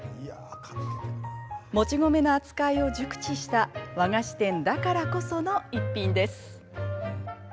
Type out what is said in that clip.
もち米の扱いを熟知した和菓子店だからこその逸品です。